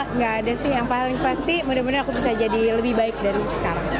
enggak ada sih yang paling pasti mudah mudahan aku bisa jadi lebih baik dari sekarang